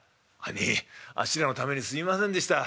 「兄ぃあっしらのためにすいませんでした。